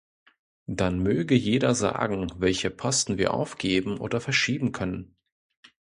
Dann möge jeder sagen, welche Posten wir aufgeben oder verschieben können.